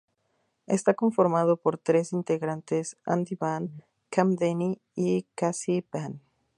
Está conformado por tres integrantes, Andy Van, Kam Denny y Cassie Van.